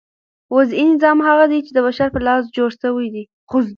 وضعي نظام هغه دئ، چي د بشر په لاس جوړ سوی دئ.